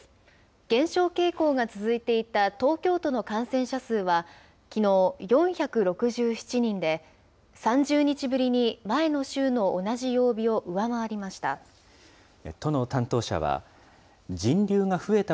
減少傾向が続いていた東京都の感染者数は、きのう４６７人で、３０日ぶりに前の週の同じ曜日を上回りました。